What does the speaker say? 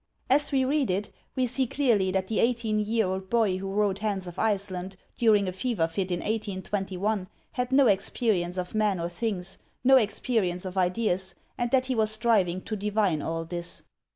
As we read it, we see clearly that the eighteen year old boy who wrote " Hans of Iceland " during a fever fit in 1821 had no experience of men or things, no experience of ideas, and that he was striving to divine all this.